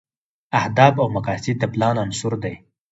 اهداف او مقاصد د پلان عناصر دي.